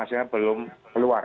hasilnya belum keluar